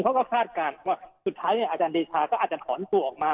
เขาก็คาดการณ์ว่าสุดท้ายอาจารย์เดชาก็อาจจะถอนตัวออกมา